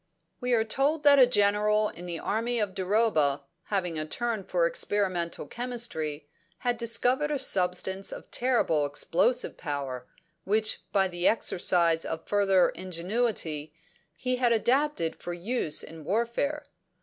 "'We are told that a General in the army of Duroba, having a turn for experimental chemistry, had discovered a substance of terrible explosive power, which, by the exercise of further ingenuity, he had adapted for use in warfare.